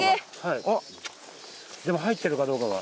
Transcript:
でも入ってるかどうかが。